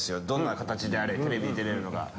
どんな形であれテレビに出れるのが。